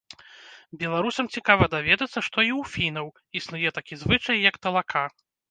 Беларусам цікава даведацца, што і ў фінаў існуе такі звычай, як талака.